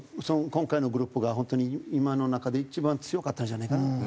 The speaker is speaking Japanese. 今回のグループが本当に今の中で一番強かったんじゃないかな。